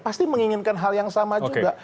pasti menginginkan hal yang sama juga